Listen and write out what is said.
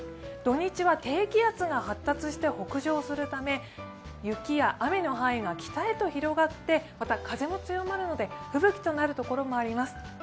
土日は低気圧が発達して北上するため雪や雨の範囲が北へと広がって、また風も強まるので吹雪となるところもあります。